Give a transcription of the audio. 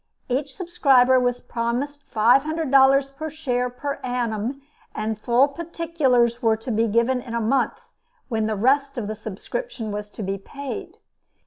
Each subscriber was promised $500 per share per annum, and full particulars were to be given in a month, when the rest of the subscription was to be paid.